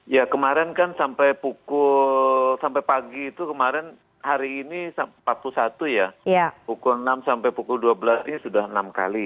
ya kemarin kan sampai pukul sampai pagi itu kemarin hari ini empat puluh satu ya pukul enam sampai pukul dua belas ini sudah enam kali